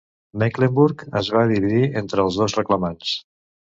Mecklenburg es va dividir entre els dos reclamants.